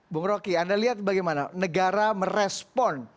bung roky anda lihat bagaimana negara merespon